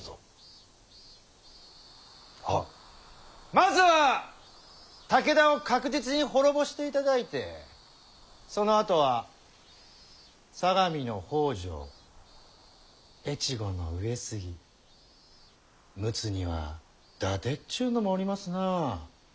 まずは武田を確実に滅ぼしていただいてそのあとは相模の北条越後の上杉陸奥には伊達っちゅうのもおりますなあ。